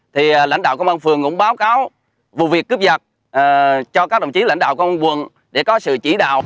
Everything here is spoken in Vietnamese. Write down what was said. thì lãnh đạo công an phường cũng báo cáo vụ việc cướp giặc cho các đồng chí lãnh đạo công an quận để có sự chỉ đạo